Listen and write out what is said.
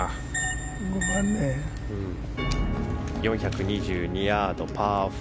４２２ヤード、パー４。